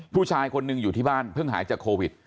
ผู้ชายคนหนึ่งอยู่ที่บ้านเพิ่งหายจากโควิด